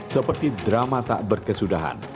seperti drama tak berkesudahan